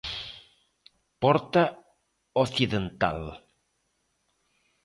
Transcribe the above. Porta occidental.